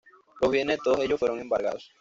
Los bienes de todos ellos fueron embargados.